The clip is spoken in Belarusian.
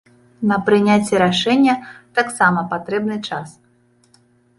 На прыняцце рашэння таксама патрэбны час.